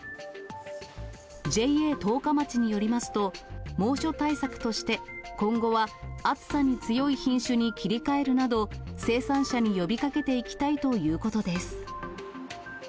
ＪＡ十日町によりますと、猛暑対策として、今後は、暑さに強い品種に切り替えるなど、生産者に呼びかけていきたいということです。